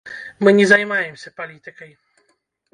Мы не займаемся палітыкай!